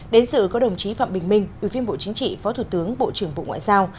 đến dự có đồng chí phạm bình minh ủy viên bộ chính trị phó thủ tướng bộ trưởng bộ ngoại giao